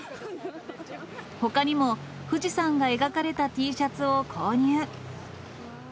ほかにも富士山が描かれたＴシャツを購入。